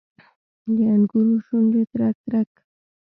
د انګورو شونډې ترک، ترک